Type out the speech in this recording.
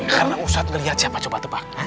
karena ustadz ngelihat siapa coba tebak